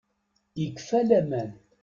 Ikfa Laman.